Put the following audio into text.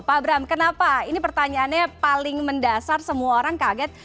pak abram kenapa ini pertanyaannya paling mendasar semua orang kaget